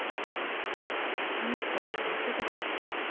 何してるのか教えてほしい。